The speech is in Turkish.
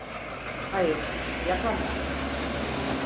Hayır, yapamaz.